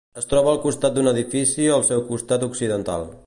Es troba al costat d'un edifici al seu costat occidental.